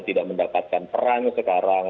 tidak mendapatkan peran sekarang